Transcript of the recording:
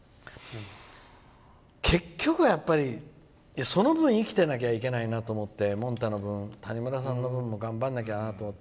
結局はその分生きてなきゃいけないなって思ってもんたの分、谷村さんの分も頑張らなきゃなと思って。